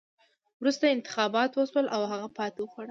وروسته انتخابات وشول او هغه ماتې وخوړه.